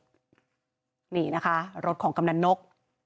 นี่นะคะรถของกำนันนก